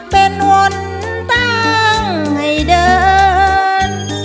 เป็นวนตั้งให้เดิน